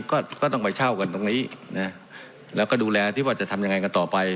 ก็ก็ต้องไปเช่ากันตรงนี้นะแล้วก็ดูแลที่ว่าจะทำยังไงกันต่อไป